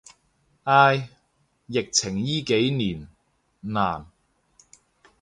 唉，疫情依幾年，難。